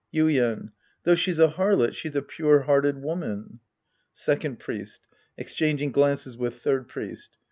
Yuien. Though she's a harlot, she's a pure hearted v/oman. Second Priest {exchanging glances with Third Priest).